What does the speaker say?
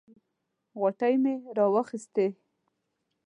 غوټې مې راواخیستې.